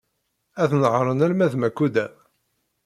Ad nehṛen arma d Makuda.